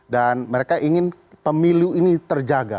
dan mereka ingin pemilu ini terjaga